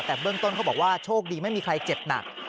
แต่เบื้องต้นเขาบอกว่าโชคดีไม่มีใครเจ็บหนัก